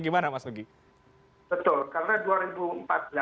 gimana mas nugi betul karena